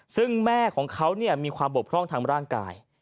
ซึ่งแม่ของเขามีความบกพร่องทางร่างกาย